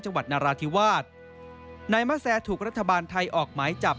จังหวัดนาราธิวาสนายมะแสถูกรัฐบาลไทยออกหมายจับ